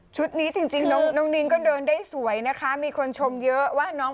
นี้จริงน้องนิ้งก็เดินได้สวยนะคะมีคนชมเยอะว่าน้อง